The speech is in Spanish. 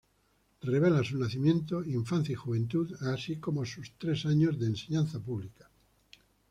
Revela su nacimiento, infancia y juventud, así como sus tres años de enseñanza pública.